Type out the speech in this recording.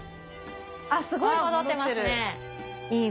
あっすごい戻ってますね！